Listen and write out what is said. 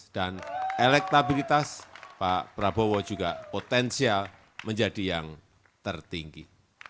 dan elektabilitas pak prabowo juga potensial menjadi yang tertinggi